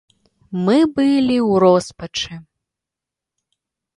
Мы былі ў роспачы.